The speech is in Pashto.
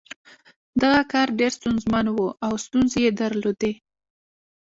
دغه کار ډېر ستونزمن و او ستونزې یې درلودې